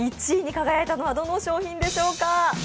１位に輝いたのはどの商品でしょうか？